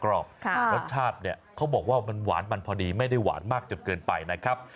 รสชาติเนี่ยเขาบอกว่ามันหวานมันพอดีไม่ได้หวานมากจนเกินไปนะครับ